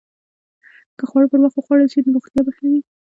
که خواړه پر وخت وخوړل شي، نو روغتیا به ښه وي.